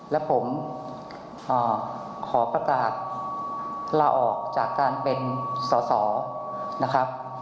และผมขอประกาศลาออกจากการเป็นสอสอนะครับ